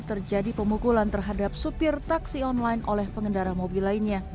terjadi pemukulan terhadap supir taksi online oleh pengendara mobil lainnya